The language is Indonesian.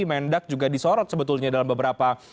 mendak juga disorot sebetulnya dalam beberapa